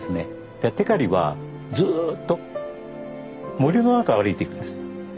だから光はずっと森の中を歩いていくんです。